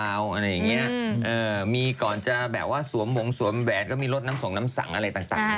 อะไรอย่างนี้มีก่อนจะแบบว่าสวมหวงสวมแหวนก็มีรถน้ำส่งน้ำสังอะไรต่าง